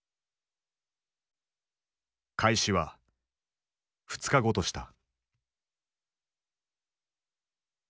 開始は２日後とした。